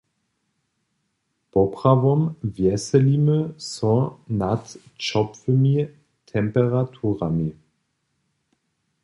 Poprawom wjeselimy so nad ćopłymi temperaturami.